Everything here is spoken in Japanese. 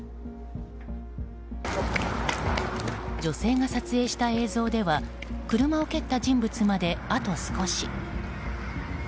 女性が撮影した映像では車を蹴った人物まであと少し。